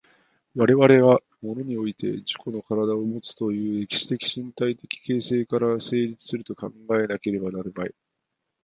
我々が物において自己の身体をもつという歴史的身体的形成から成立すると考えなければなるまい。